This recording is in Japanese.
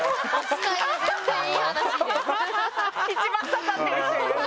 一番刺さってる人いる。